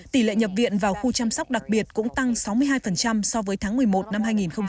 tỷ lệ nhập viện vào khu chăm sóc đặc biệt cũng tăng sáu mươi hai so với tháng một mươi một năm hai nghìn một mươi chín